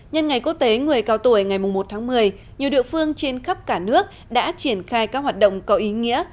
nhân ngày quốc tế người cao tuổi ngày một tháng một mươi nhiều địa phương trên khắp cả nước đã triển khai các hoạt động có ý nghĩa